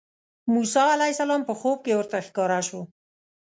موسی علیه السلام په خوب کې ورته ښکاره شو.